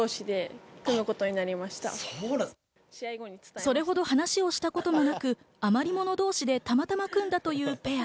それほど話をしたこともなく、あまり者同士でたまたま組んだというペア。